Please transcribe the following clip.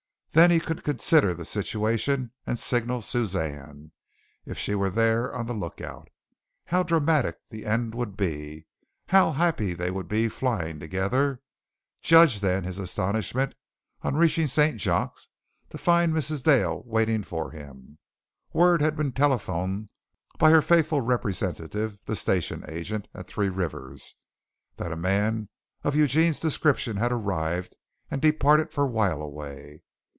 Then he could consider the situation and signal Suzanne; if she were there on the lookout. How dramatic the end would be! How happy they would be flying together! Judge then his astonishment on reaching St. Jacques to find Mrs. Dale waiting for him. Word had been telephoned by her faithful representative, the station agent at Three Rivers, that a man of Eugene's description had arrived and departed for While a Way.